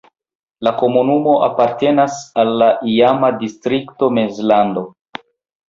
La komunumo apartenas al la iama distrikto Mezlando.